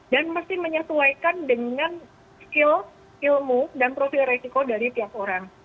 dan mesti menyesuaikan dengan skill ilmu dan profil resiko dari tiap orang